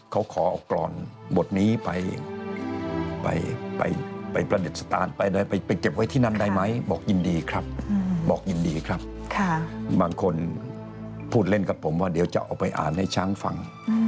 เขาขอออกกรอนบทนี้ไปประเด็นสตาร์ทไปเจ็บไว้ที่นั้นได้ไหมบอกยินดีครับบางคนพูดเล่นกับผมว่าเดี๋ยวจะออกไปอ่านให้ช้างฟัง